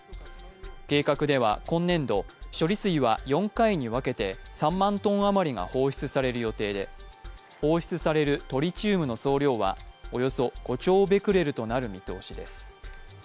計画では今年度、処理水は４回に分けて３万トン余りが放出される予定で放出されるトリチウムの総量はおよそ５兆ベクレルとなる見通しです。